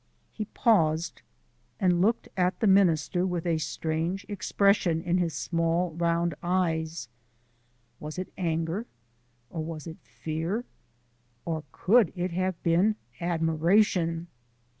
He paused, and looked at the minister with a strange expression in his small round eyes was it anger, or was it fear, or could it have been admiration?